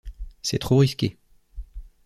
C’est trop risqué.